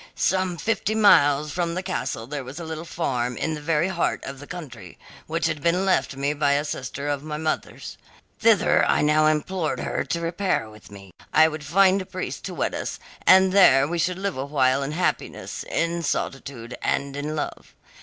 "Some fifty miles from the castle there was a little farm, in the very heart of the country, which had been left me by a sister of my mother's. Thither I now implored her to repair with me. I would find a priest to wed us, and there we should live a while in happiness, in solitude, and in love.